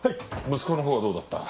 息子のほうはどうだった？